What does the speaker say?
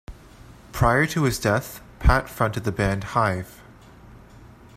Prior to his death, Pat fronted the band Hive.